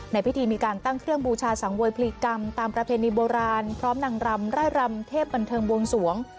ในพิธีมีการตั้งเครื่องบูชาสังเวยพลีกรรมตามประเพณีโบราณพร้อมนางรำไร่รำเทพบันเทิงบวงสวง